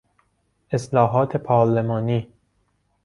اصلاحات پارلمانی